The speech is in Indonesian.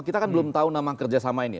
kita kan belum tahu nama kerjasama ini